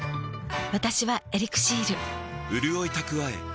私は「エリクシール」